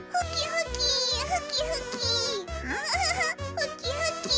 ふきふき。